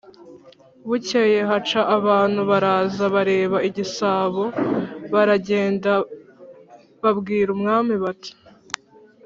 bukeye haca abantu, baraza bareba igisabo, baragenda babwira umwami bati: